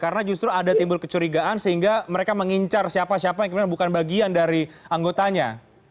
karena justru ada timbul kecurigaan sehingga mereka mengincar siapa siapa yang memang bukan bagian dari anggotanya